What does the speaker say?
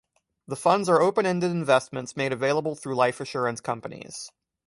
The funds are open-ended investments made available through life assurance companies.